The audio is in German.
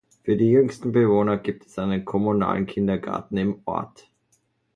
Für die jüngsten Bewohner gibt es einen kommunalen Kindergarten im Ort.